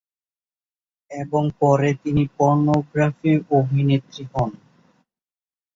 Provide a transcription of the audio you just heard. এবং পরে তিনি পর্নোগ্রাফি অভিনেত্রী হন।